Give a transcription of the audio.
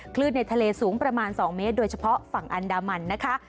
คลื่นในทะเลสูงประมาณ๒เมตรโดยเฉพาะฝั่งอันดามันนะคะ